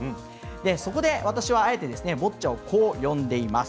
そこで私はあえてボッチャをこう呼んでいます。